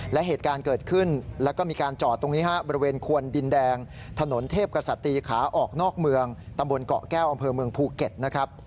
และเหตุการณ์เกิดขึ้นแล้วก็มีการจอดตรงนี้ฮะบริเวณควนดินแดงถนนเทพกษัตรีขาออกนอกเมืองตำบลเกาะแก้วอำเภอเมืองภูเก็ตนะครับ